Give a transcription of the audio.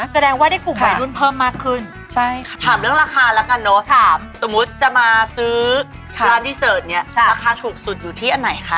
แสดงว่าได้กลุ่มวัยรุ่นเพิ่มมากขึ้นถามเรื่องราคาแล้วกันเนอะสมมุติจะมาซื้อร้านดีเสิร์ตเนี่ยราคาถูกสุดอยู่ที่อันไหนคะ